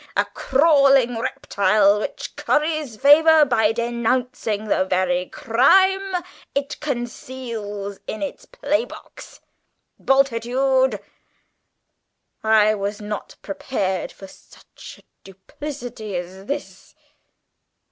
A crawling reptile which curries favour by denouncing the very crime it conceals in its playbox! Bultitude, I was not prepared for such duplicity as this!"